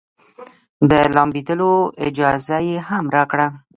د لامبېدلو اجازه يې هم راکړه.